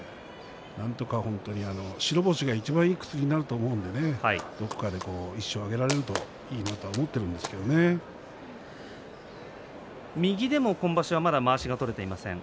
なんとか白星がいちばんいい薬になると思うんでどこかで１勝を挙げられれば右でも今場所まだまわしが取れていません。